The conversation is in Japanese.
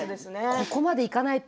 ここまでいかないと。